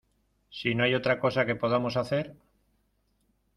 si no hay otra cosa que podamos hacer...